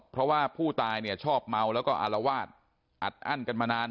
เพราะว่าผู้ตายเนี่ยชอบเมาแล้วก็อารวาสอัดอั้นกันมานาน